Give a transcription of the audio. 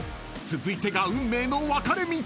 ［続いてが運命の分かれ道］